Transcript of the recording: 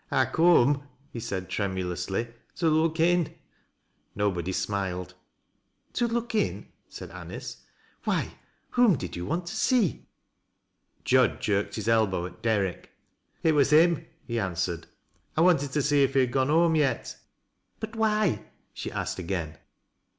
" I coom," he said, tremulously, " to look in " Nobody smiled. " To look in ?" said Anice. " Why, whom did you want to see ?" Jud jerked his elbow at Derrick. " It was Aim," he answered. " I wanted to see if he had gone home yet." " But why ?" she asked again.